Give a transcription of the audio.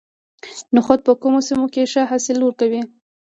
نخود په کومو سیمو کې ښه حاصل ورکوي؟